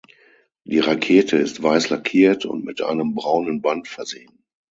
Die Rakete ist weiß lackiert und mit einem braunen Band versehen.